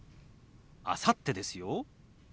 「あさって」ですよ。